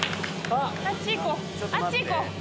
あっち行こう！